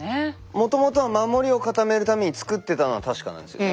もともとは守りを固めるために造ってたのは確かなんですよね。